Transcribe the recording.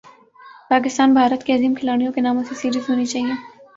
پاکستان بھارت کے عظیم کھلاڑیوں کے ناموں سے سیریز ہونی چاہیے